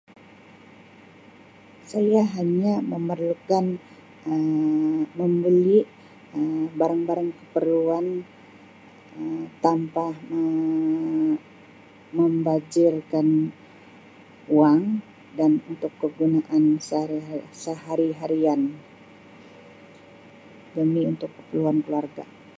Saya hanya memerlukan Um membeli Um barang-barang keperluan Um tanpa Um membajirkan wang dan untuk kegunaan sehari-hari- sehari-seharian demi untuk keperluan keluarga.